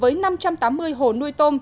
với năm trăm tám mươi hồ nuôi tôm